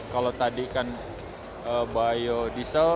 kalau tadi kan biodiesel